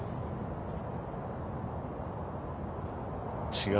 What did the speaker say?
違う。